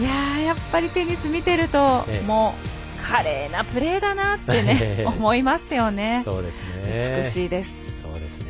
テニス見てると華麗なプレーだなって思いますよね。